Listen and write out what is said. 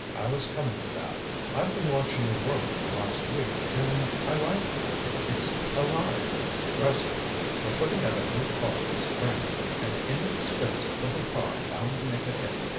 "I was coming to that. I've been watching your work for the last week, and I like it. It's alive progressive. We're putting out a new car this spring an inexpensive little car bound to make a hit.